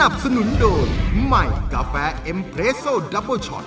สนับสนุนโดยใหม่กาแฟเอ็มเพรโซดับเบอร์ชอต